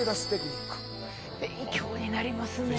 勉強になりますねぇ。